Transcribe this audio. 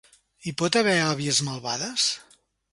Hi pot haver àvies malvades?